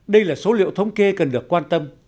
đây là số liệu thống kê cần được quan tâm